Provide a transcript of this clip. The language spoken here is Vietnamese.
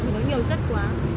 nó nhiều chất quá